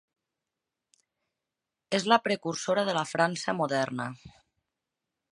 És la precursora de la França moderna.